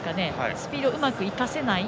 スピード、うまく生かせない。